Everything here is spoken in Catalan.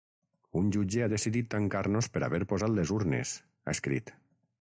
Un jutge ha decidit tancar-nos per haver posat les urnes, ha escrit.